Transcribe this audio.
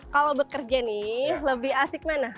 kalau bekerja nih lebih asik mana